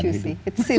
memang itu lucu